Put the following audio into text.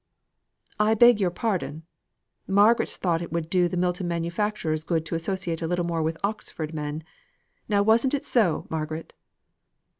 "I beg your pardon. Margaret thought it would do the Milton manufacturers good to associate a little more with Oxford men. Now wasn't it so, Margaret?"